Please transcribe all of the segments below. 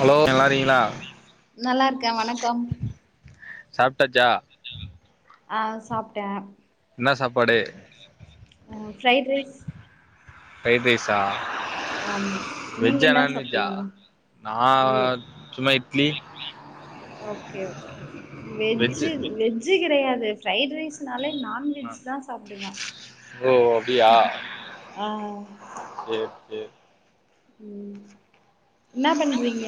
hello நல்லாருக்கீங்களா நல்லா இருக்கே வணக்கம் சாப்ட்டாச்சா ஆ சாப்ட்டே என்னா சாப்பாடு ஆ ஃபிரைட் ரைஸ் ப்ரைட் ரைஸ்ஸா ஆமா நீங்க வெஜ்ஜா என்ன நான்வெஜ்ஜா சாப்ட்டீங்க நா ம் சும்மா idli okay okay veg veg கெடையாது ஃரைட் ரைஸ்னாலே நான்வெஜ் தா சாப்படனு ஓ ஆ சேர் சேர் ம் என்னா பண்றீங்க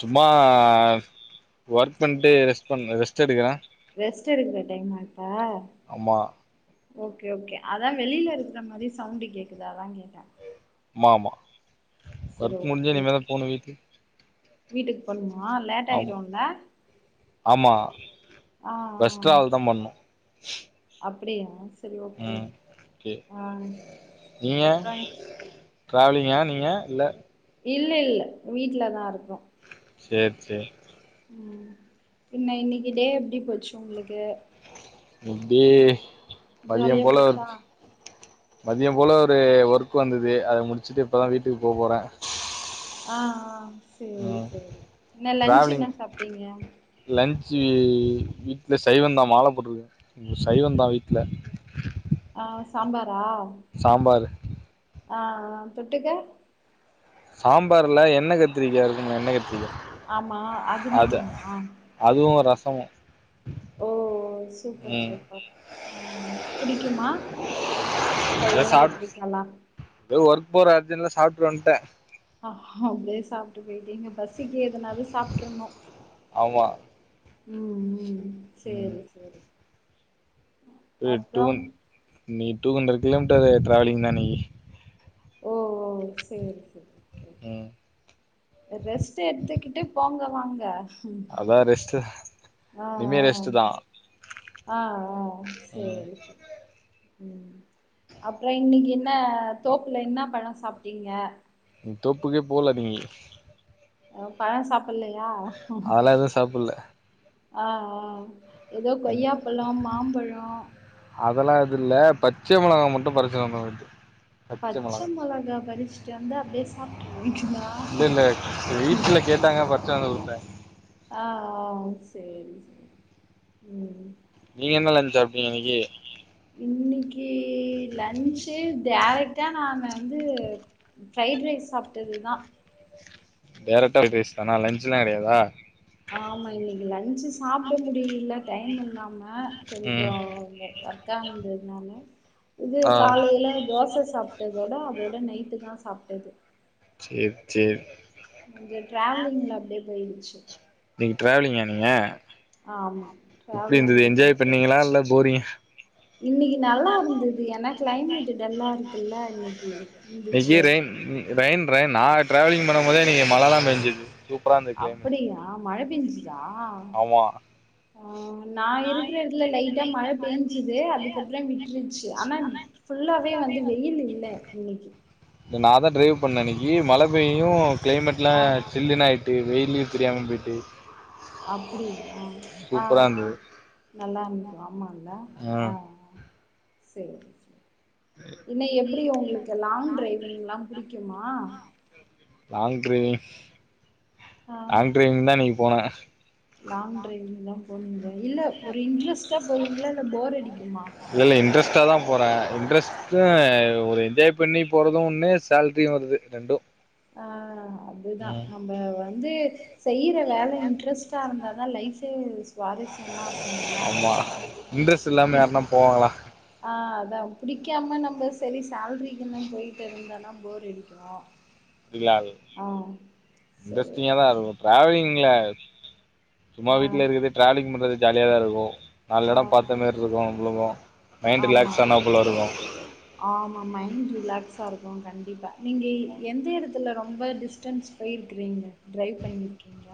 சும்மா ஒர்க் பண்ட்டு ரெஸ்ட் பண் ரெஸ்ட்டு எடுக்கிறே ரெஸ்ட் எடுக்குற டைம்மா இப்பா ஆமா ஓகே ஓகே அதா வெளியில இருக்கிற மாரி சவுண்டு கேக்குதா அதா கேட்டே மா மா சரி ஒர்க் முடிஞ்சு ஓகே இனிமே தா ஓகே போணு வீட்டுக் வீட்டுக்கு போணுமா லேட் ஆயிடுல்ல மா ஆ பஸ்ட்டு ஆ ட்ராவல்தா பண்ணு அப்டியா செரி ஓகே ம் ஓகே ஓகே ஆ நீங்க அப்பறோ ட்ராவலிங்கா நீங்க இல்ல இல்ல இல்ல வீட்டுலதா இருக்குறோ செர் செரி ம் என்ன இன்னிக்கு டே எப்டி போச்சு உங்க்ளுக்கு அப்டியே மதியம் ஜாலியா போல போச்சா மதியம் போல ஒரு ஒர்க் வந்தது அத முடிச்சுட்டு இப்பதா வீட்டுக்கு போ போறே ஆ ஆ செரி ம் செரி என்ன லன்ச் டிராவலிங் என்ன சாப்பிட்டீங்க லன்ச்சு வீட்ல சைவந்தா மால போட்டுருக்கே சைவந்தா வீட்ல ஆ சாம்பாரா சாம்பாரு ஆ ஆ தொட்டுக்க சாம்பார்ல எண்ண கத்திரிக்கா இருக்கும்ல எண்ண கத்திரிக்கா ஆமா அது மட்டும்மா அதுவு ரசமோ ஓ சூப்பர் ம் சூப்பர் ம் புடிக்குமா பிடிக்காது எதோ எண்ணெ சாப் கத்ரிக்காலா எதோ ஒர்க் போற அர்ஜன்ட்ல சாப்ட்டு வன்ட ஹா அப்டியே சாப்ட்டு போயிட்டீங்க பசிக்கு எதனாவது சாப்ட்டுருணோ ஆமா உம் உம் ம் செரி செரி ஃபோர் எய்ட் டூ ஒன் இன்னக்கி டூ ஹண்டரட் கிலோமீட்டர் டிராவலிங்டா நீயி ஓ ஓ செரி செரி ஓகே ஓகே ம் ரெஸ்ட் எடுத்துக்குட்டு போங்க வாங்க அதா ரெஸ்ட்டு ஆ இனிமே ஆ ரெஸ்ட்டு தா ஆ ஆ ம் செரி ம் அப்புறோ இன்னிக்கு இன்னா தோப்புல இன்னா பழோ சாப்ட்டீங்க இன்னிக்கி தோப்புக்கே போல இன்னிக்கி ஓ பழோ சாப்பட்லையா அதெல்லா எதுவு சாப்புல்ல ஆ ஆ எதோ கொய்யாப்பழோ மாம்பழோ அதெல்லா எது இல்ல பச்ச மொளகா மட்டு பறிச்சு வந்தோ நேத்து பச்ச மொளகா பறிச்சுட்டு வந்து அப்டியே சாப்ட்டுருங்கீங்கலா இல்ல இல்ல வீட்ல கேட்டாங்க பறிச்சுனு வந்து குத்த ஆ ஆ செரி செரி ம் நீங்க என்ன லன்ஞ் சாப்டீங்க இன்னிக்கி இன்னிக்கி லன்ஞ்சு டேரக்டா நானு வந்து ஃப்ரைட் ரைஸ் சாப்ட்டது தா டேரக்டா ஃப்ரைட் ரைஸ் தானா லன்ஞ்சுலா கெடையாதா ஆமா இன்னிக்கு லன்ஞ் சாப்ட முடியவில்ல டைமு இல்லாம ஆ கொஞ்சோ ம் ஒர்க்கா இருந்ததுனால இது ஆ காலையில தோச சாப்பிட்டதோட அதோட நைட்டு தா சாப்பிட்டது செர் சேரி கொஞ்சோ டிராவலிங்ல அப்டியே போயிடுச்சு இன்னைக்கு டிராவலிங்கா நீங்க ஆமா எப்டி இருந்தது டிரவலிங்லமே என்ஜாய் பண்ணீங்களா போயிட்ச்சு இல்ல போரிங்கா இன்னிக்கு நல்லா இருந்தது ஏன்னா கிளைமேட் டல்லா இருக்குல்ல இன்னிக்கி இன்னிக்கு ரெயின் ரெயின் ரெய்ன் நா டிராவலிங் பண்ணும் போதே இன்னிக்கு மழை தா பெஞ்சுது அப்புடியா மழை பெஞ்சிச்சா ஆமா ஆ நா இருக்கிற எடத்துல லைட்டா மழ பேய்ஞ்சுது அதுக்கப்புறம் விட்டுருச்சு ஆனா ஃபுல்லாவே வந்து வெயில் இல்ல இன்னக்கி நா தா டிரைவ் பண்ணே இன்னக்கி மழை பெய்யு கிளைமெட்லா ஆ சில்லுனு ஆய்ட்டு வெயிலே தெரியாம போய்ட்டு அப்டியா சூப்பராருந்தது நல்லான்க்கு ஆமால ஆ ஆ சேரி சேரி என்ன எப்டி ஒங்ளுக்கு லாங் டிரைவிங்ல்லா புடிக்குமா லாங் டிரைவிங் ஆ லாங் டிரைவிங் தா இன்னக்கி போன லாங் டிரைவிங் தா போனீங்லா இல்ல ஒரு இன்ட்ரெஸ்ட்டா போவீங்ளா இல்ல போர் அடிக்குமா இல்லல்ல இன்ட்ரஸ்டா தா போறே இன்ட்ரஸ்ட் ஒரு என்ஜாய் பண்ணி போறது ஒன்னு சேல்ரியு வருது ரெண்டு ஆ அதுதா ம் நம்ப வந்து செய்ற வேல இன்ட்ரெஸ்ட்டா இருந்தா தா லைஃபே சுவாரஸ்யமா இருக்குலா ஆமா இன்ட்ரெஸ்ட் இல்லாம யாருனா போவாங்களா ஆ அதா புடிக்காம நம்ம செரி சேல்ரிக்குனு போய்ட்டு இருந்தோனா போர்ரடிக்கு புடிக்காது சரி இன்ட்ரெஸ்டிங்கா தா இருக்கு ட்ராவ்லிங்ல சும்மா ஆ வீட்ல இருக்கது ட்ராவலிங் பண்றது ஜாலியா தாருக்கு ஆ நால்லெடோ பாத்த மேர்ருக்கு உங்ளுக்கு மைன்ட் ஆமா ரிலாக்ஸ்ஸானாப்லருக்கு ஆமா மைன்ட் ரிலாக்ஸாருக்கு கண்டிப்பா நீங்க எந்த எடத்துல ரொம்ப டிஸ்டன்ஸ் போய்ருக்றீங்க ட்ரைவ் பண்ணிருக்கீங்க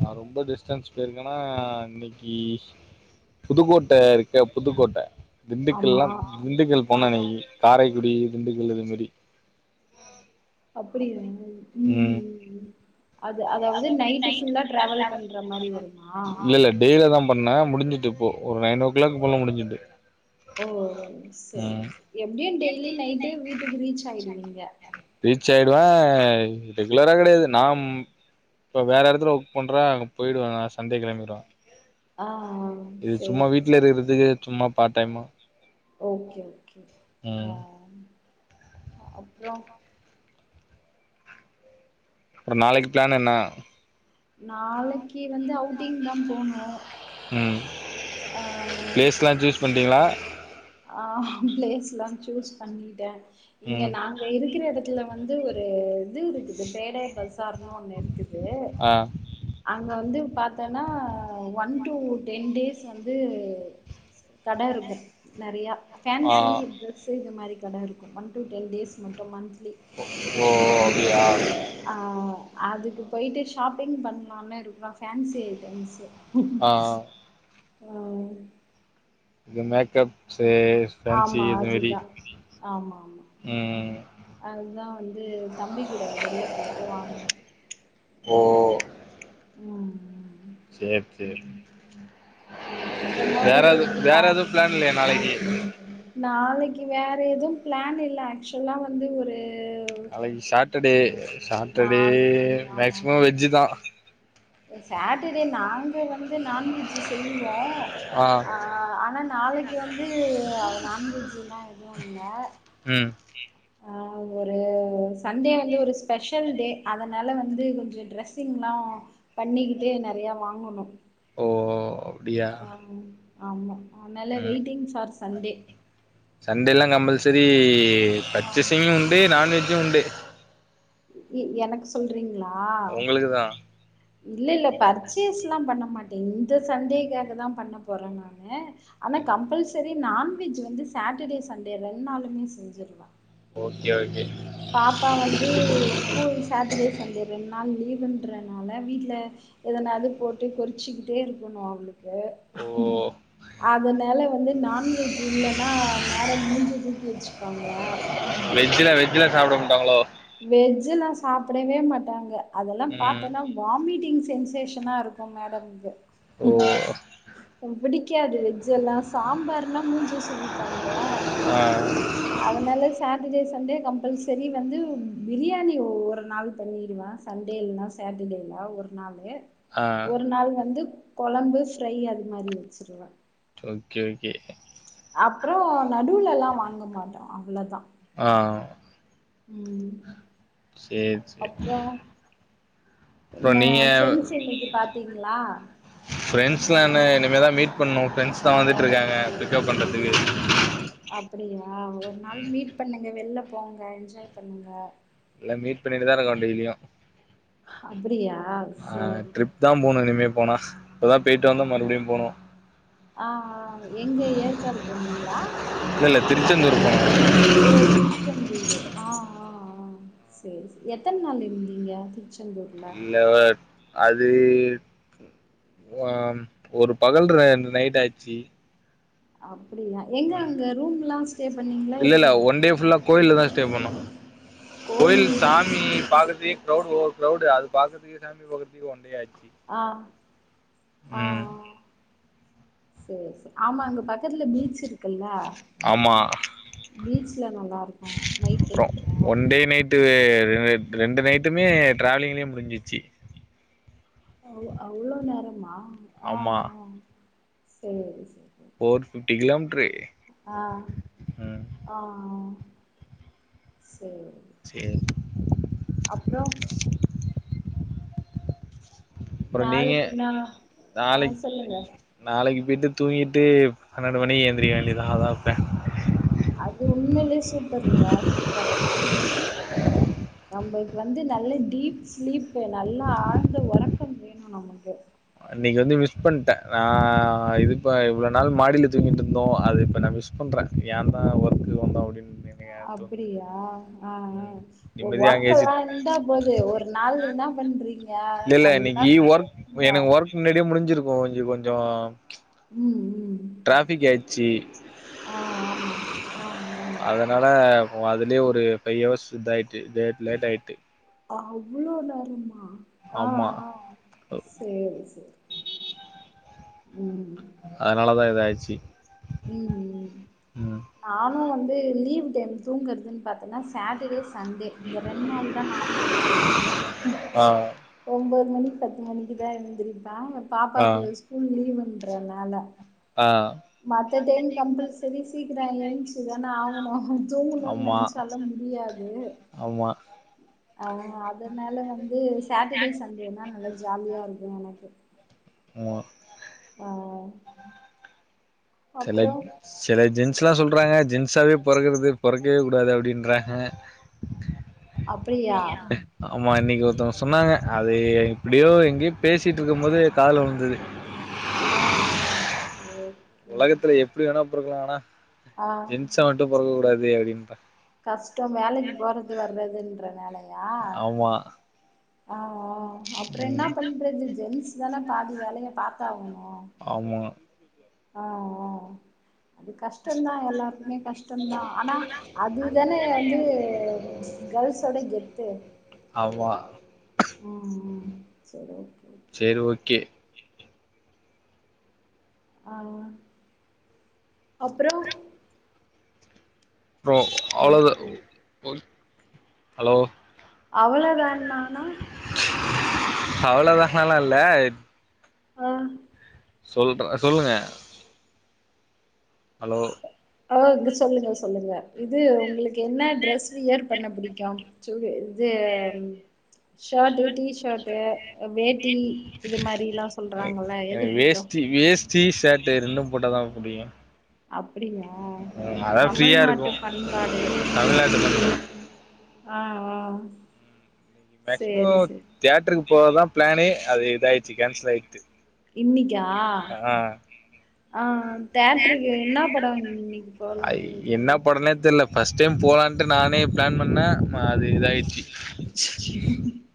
நா ரொம்ப டிஸ்டன்ஸ் போய்ருக்கனா இன்னக்கி புதுக்கோட்ட இருக்க புதுக்கோட்ட ஆமா திண்டுக்கல்லா திண்டுக்கல் ஆ போனே இன்னக்கி காரைக்குடி திண்டுக்கல் இது மேரி அப்பிடியா ம் ம் ம் அது அதாவ்து நைட்டு ஃபுல்லா ட்ராவல் பண்ற மாரி வருமா டெய்லி அதா பண்ணே முடிஞ்சிட்டிப்போ ஒரு நைன் ஓ க்ளாக் போல முடிஞ்சிட்டு ஓ சேரி எப்டியு டெய்லி நைட்டு வீட்டுக்கு ரீச்சாய்டுவீங்க ரீச்சாய்டுவே ரெகுலரா கெடயாது நா இப்ப வேற எடத்துல ஒர்க் பண்றே அங்க போய்டுவே நா சண்டே கெளம்பிடுவே ஆ ஆ இது சும்மா சேரி வீட்லருக்றதுக்கு சும்மா பார்ட் டைமா ஓகே ஓகே ஆ ம் அப்றோ ப்றோ நாளைக்கு பிளான் என்ன நாளைக்கி வந்து அவுட்டிங் தா போனு ம் ஆ ப்ளேஸ்லா சூஸ் பண்ட்டீங்களா ஆ பிளேஸ்லா சூஸ் பண்ணிட்டே இங்க ம் நா இருக்குற எடத்துல வந்து ஒரு இது இருக்குது பேடே பஜார்னு ஒன்னு இருக்குது ஆ அங்க வந்து பாத்தன்னா ஒன் டூ டென் டேஸ் வந்து கட இருக்கு நெறயா ஆ ஃபேன்சி ட்ரெஸ்ஸு இது மாரி கடருக்கு ஒன் டூ டென் டேஸ் மட்டு மன்த்லி ஓ அப்டியா ஆ அதுக்கு போய்ட்டு ஷாப்பிங் பண்லானு இருக்றோ ஃபேன்சி ஐட்டம்ஸூ ஆ ஆ இது மேக்கப் சே ஃபேன்சி ஆமா இது அஜி மாரி தா ஆமா ஆமா ம் அதுதா வந்து தம்பி கூட வெள்ல போய்ட்டு வாங்கணு ஓ ம் ம் சேர் சேர் அப்புறமா வேற ஒரு எது வேற எது ப்ளான் இல்லயா நாளைக்கி நாளைக்கி வேற எது ப்ளான் இல்ல ஆக்சுவலா வந்து ஒரு நாளைக்கி சாட்டடே சாட்டடே நாளைக்கு மேக்சிமோ வெஜ்ஜு தா சாட்டடே நாங்க வந்து நான் வெஜ்ஜு செய்வோ ஆ ஆ ஆனா நாளைக்கு வந்து நான் வெஜ்ஜூல்லா எது இல்ல ம் ம் ஆ ஒரு சண்டே வந்து ஒரு ஸ்பெஷல் டே அதனால வந்து கொஞ்சோ ட்ரெஸ்ஸிங்ல்லா பண்ணிக்கிட்டு நெறயா வாங்கணு ஓ அப்டியா ம் ஆமா ஆனால ம் வெயிட்டிங் ஃபார் சண்டே சண்டேல்லா கம்பல்சரி ஆ பர்ச்சேசிங்கு உண்டு நான் வெஜ்ஜு உண்டு இ எனக்கு சொல்றீங்ளா உங்களுக்கு தா இல்ல இல்ல பர்ச்சேஸ்லா பண்ண மாட்டே இந்த சண்டேக்காக தா பண்ண போறே நானு ஆனா கம்பல்சரி நான்வெஜ் வந்து சாட்டடே சண்டே ரெண் நாளுமே செஞ்சிருவ ஓகே ஓ ம் பாப்பா வந்து கூல் சாட்டர்டே சண்டே ரெண்டு நாள் லீவ்ன்ற னால வீட்ல எதனாது போட்டு கொறிச்சிக்கிட்டே இருக்கணு அவளுக்கு ஓ அதனால வந்து நாண்வெஜ் இல்லன்னா மேடம் மூஞ்சிய தூக்கி வச்சுப்பாங்க வெஜ்ல வெஜ்ஜல சாப்பிட மாட்டாங்களோ வெஜ்ல்லா சாப்டவே மாட்டாங்க அதெல்லா ம் பாத்தன்னா வாமிட்டிங் சென்சேஷனா இருக்கு மேடம்து ஓ பிடிக்காது வெஜ் எல்லா சாம்பார்னா மூஞ்ச சுலி ப்பாங்க ஆ அதனால சாட்டர்டே சண்டே கம்பல்சரி வந்து பிரியாணி ஒரு நாள் பண்ணிடுவே சண்டே இல்லன்னா சாட்டர்டேல ஒரு நாளு ஆ ஒரு நாள் வந்து கொழம்பு ஃப்ரையி அது மாதிரி வச்சுருவேன் ஓகே ஓகே அப்புற நடுவுலலா வாங்க மாட்டோ அவ்வளோதா ஆ ம் சேரி சேரி அப்றோ அப்றோ என்ன நீங்க ஃப்ரெண்ட்ஸ் இன்னக்கி பாத்தீங்ளா ஃப்ரெண்ட்ஸ்லா என்ன இனிமே தா மீட் பண்ணு ஃப்ரெண்ட்ஸ்லா வந்துட்ருக்காங்க பிக்கப் பண்றதுக்கு அப்டியா ஒரு நாள் மீட் பண்ணுங்க வெள்ல போங்க என்ஜாய் பண்ணுங்க எல்லா மீட் பண்ணிட்டு தா இருக்கோ டெய்லியு அப்டியா ஆ சேரி ட்ரிப் தா போணு இனிமே போனா இப்பதா பேய்ட்டு வந்தோ மறுபடியு போணு ஆ ஆ எங்க ஏற்காடு போனீங்ளா இல்ல இல்ல திருச்செந்தூர்தா திருச்செந்தூரு ஆ ஆ ஆ சரி எத்தன் நாள் இருந்தீங்க திருச்செந்தூர் இல்ல அது ஒ ஒரு பகல் ரெண்டு நைட் ஆயிச்சு அப்டியா எங்க அங்க ரூம் எல்லா ஸ்டே பண்ணீங்களா இல்ல இல்ல எப்டி ஒன் டே ஃபுல்லா கோயில்ல தா ஸ்டே பண்ணோ கோயில் கோயில்லே சாமி இருந்து பாத்துட்டு கிரவுடு ஓவர் கிரவுடு அது பாக்குரத்துக்கு சாமி பாக்கறதுக்கு ஒண்டேயாச்சு ஆ ஆ சேரி சேரி ஆமா அங்க பக்கத்துல பீச்சு இருக்குல்ல ஆமா பீச்ல நல்லா இருக்கு நைட் டைம்ல து ரெண்டு நைட்டுமே டிராவலிங்லயே முடிஞ்சிச்சு அவ்ளோ நேரமா ஆ ஆமா ஆ சேரி சே போர் பிஃப்டி கிலோமீட்ரு ஆ ம் ஆ அ சேரி சேரி அப்புறொ அப்றோ நீங்க நாளைக்கு நா ஆ நாளைக் சொல்லுங்க நாளைக்கு போயிட்டு தூங்கிட்டு பன்னெண்டு மணிக்கு எந்திரிக்க வேண்டியதா அதா ப்ளான் அது உண்மையிலயே சூப்பருங்க சூப்பர் அது நம்மளுக்கு வந்து நல்ல டீப் ஸ்லீப்பு நல்லா ஆழ்ந்த ஒறக்கம் வேணும் நமக்கு அன்னைக்கு வந்து மிஸ் பண்ட்டே நா இதுப்ப இவ்ள நாள் மாடியில தூங்கிட்டு இருந்தோ அது இப்ப நா மிஸ் பண்றே ஏ தா ஒர்க் வந்தோ அப்படின் அப்படியா ஆ ஆ நிம்மதியா அங்கயாச்சு ஒர்க்கல்லா இருந்தா போது ஒரு நாள் என்ன பண்றீங்க இல்ல நல்லா தூங்குங்க அப்டியே முடிஞ்சிருக்கும் கொஞ்ச கொஞ்ச ம் உம் ஆ ஆமா ஆமா அதனால இப்போ அதுலய ஒரு ஃபைவ் ஹவர்ஸ் இத ஆகிட்டு லேட் லேட் ஆகிட்டு அவ்ளோ நேரமா ஆ ஆமா ஆ சேரி சேரி ம் அதனாலதா இத ஆய்ச்சு ம்ம் நானும் வந்து லீவ் டைம் தூங்குறதுன்னு பாத்தேன்னா சேட்டர்டே சண்டே இந்த ரெண்டு நாள் தான் நானு தூங்க முடியு ஆ ஒன்போது மணி பத்து மணிக்கு தா எந்திருப்பே என் ஆ பாப்பாக்கு ஸ்கூல் லீவுன்றனால ஆ மத்த டைம் கம்பல்சரி சீக்கிரம் ஏன்ச்சிதானே ஆகணு தூங்கணும்னு ஆமா நெனைச்சாலு முடியாது ஆமா ஆ அதனால வந்து சாட்டடே சண்டேனா நல்லா ஜாலியா இருக்கு எனக்கு ஓ [inaudible] அப்றோ செலரிக்கா செல ஜென்ஸ்ல்லா சொல்றாங்க ஜென்ஸாவே பொறக்குறது பொறக்கவே கூடாது அப்டின்றாங்க அப்டியா ஆமா இன்னைக்கு ஒருத்தவங்க சொன்னாங்க அது எப்டியோ எங்கயே பேசிட்டு இருக்கும் போது காதுல உளுந்தது ஆ ஆ ஓக் உலகத்துல எப்புடி வேணாப் பொறக்கலா ஆனா ஆ செவ்ட்டு பொறக்க கூடாது அப்புடின்ப கஷ்டம் வேலைக்கு போறது வர்றதுன்றது நாலயா ஆமா ஆ ஆ அப்றோ என்ன ம் பண்றது ஜென்ஸ் தானே பாதி வேலைய பாத்தாகணு ஆமா ஆ ஆ அது கஷ்டம்தா எல்லாருக்குமே கஷ்டம்தான் ஆனா அதுதானே வந்து கேள்ஸோட கெத்து அவ்வா ம்ம் செரி செரி ஓகே ஆ அப்புறோ புறோ அவ்ளோ த ம் ஹலோ அவ்ளோதான் நானா அவ்ளோதான லா இல்ல ஆ சொல்ற சொல்லுங்க அலோ ஆசொல்லுங்க சொல்லுங்க இது உங்களுக்கு என்ன ட்ரெஸ் வியர் பண்ண பிடிக்கு இது ம் ச் ஷர்ட்டு டீ ஷர்ட்டு வேட்டி இது மாரி ல்லா சொல்றாங்கள எது பிடிக்கு வேஸ்ட்றி வேஸ் டீ ஷர்ட்ரெண்டு போட்டா தா முடியு அப்டியா ஃப்ரீயா தமிழ்நாட்டு இருக்கு பண்பாடு தமிழ்நாட்டு ஆஆ மேக்சிமோ தேட்டருக்கு போகதா பிளானே அது இதயிடுச்சு கேன்சல் ஆயித்து இன்னிக்கா ஆ ஆ தேட்ருக்கு என்ன படோ இன்னைக்கி போகலானு இருந்தீங்க ஒர்ளவ் தெர்ல பஸ்ட் டைம் போலான்ட்டு நானே பிளான் பண்ணே அது இதாயிச்சு [unintelligible]